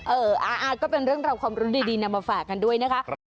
เออก็เป็นเรื่องราวความรู้ดีนำมาฝากกันด้วยนะคะ